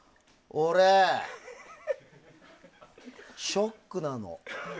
俺、ショックなの。